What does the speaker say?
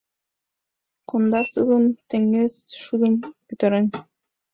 Конда сылым, теҥыз шудым пӱтырен;